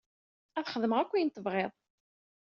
Ad ak-xedmeɣ akk ayen tebɣiḍ.